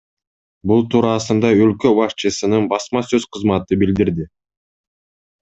Бул туурасында өлкө башчысынын басма сөз кызматы билдирди.